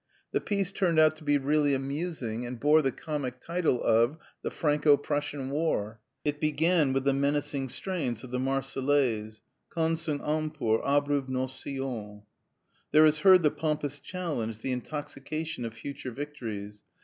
The piece turned out to be really amusing, and bore the comic title of "The Franco Prussian War." It began with the menacing strains of the "Marseillaise": "Qu'un sang impur abreuve nos sillons." There is heard the pompous challenge, the intoxication of future victories.